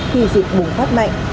khi dịch bùng phát mạnh